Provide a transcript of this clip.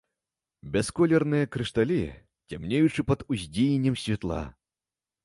Бясколерныя крышталі, цямнеючыя пад уздзеяннем святла.